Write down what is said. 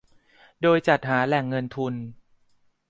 โดยจัดหาแหล่งเงินทุน